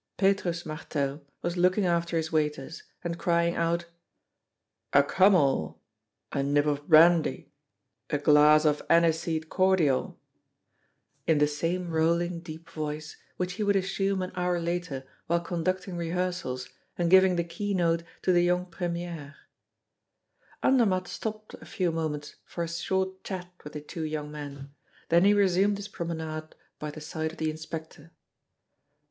Petrus Martel was looking after his waiters, and crying out: "A kummel, a nip of brandy, a glass of aniseed cordial," in the same rolling, deep voice which he would assume an hour later while conducting rehearsals, and giving the keynote to the young première. Andermatt stopped a few moments for a short chat with the two young men; then he resumed his promenade by the side of the inspector.